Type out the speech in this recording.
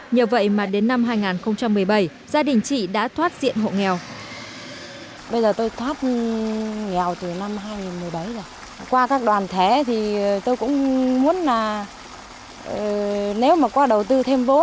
nhờ vậy mà đến năm hai nghìn một mươi bảy gia đình chị đã thoát diện hộ nghèo